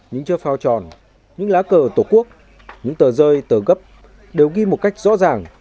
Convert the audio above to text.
những chiếc phao tròn những lá cờ tổ quốc những tờ rơi tờ gấp đều ghi một cách rõ ràng